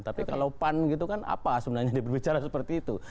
tapi kalau pan gitu kan apa sebenarnya berbicara seperti itu